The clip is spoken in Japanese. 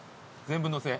全部のせ。